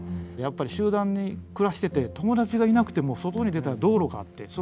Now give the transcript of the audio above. やっぱり集団に暮らしてて友達がいなくても外に出たら道路があって。